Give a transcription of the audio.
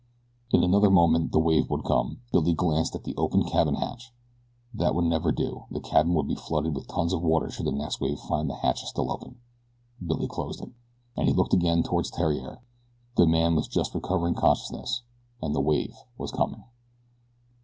In another moment the wave would come. Billy glanced at the open cabin hatch. That would never do the cabin would be flooded with tons of water should the next wave find the hatch still open. Billy closed it. Then he looked again toward Theriere. The man was just recovering consciousness and the wave was coming.